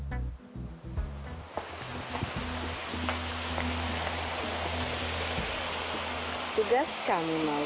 apa ya tak ada cooler karakter